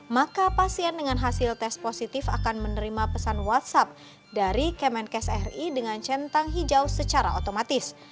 maka pasien dengan hasil tes positif akan menerima pesan whatsapp dari kemenkes ri dengan centang hijau secara otomatis